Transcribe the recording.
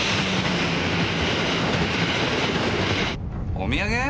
お土産？